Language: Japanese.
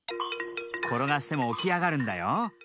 ころがしてもおきあがるんだよ。